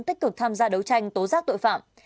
tích cực tham gia đấu tranh tố giác tội phạm